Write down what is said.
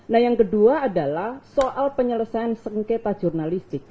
nah yang kedua adalah soal penyelesaian sengketa jurnalistik